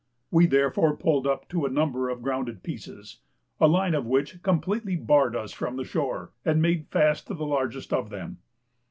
We therefore pulled up to a number of grounded pieces (a line of which completely barred us from the shore), and made fast to the largest of them.